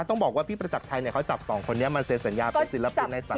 แต่พี่พรชักชัยก็จับสองคนนี้มาเซรเซินยาเป็นศิลปินในศักดร์